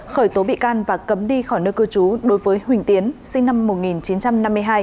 khởi tố bị can và cấm đi khỏi nơi cư trú đối với huỳnh tiến sinh năm một nghìn chín trăm năm mươi hai